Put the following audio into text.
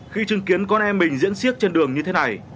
khi chứng kiến con em mình diễn siếc trên đường như thế này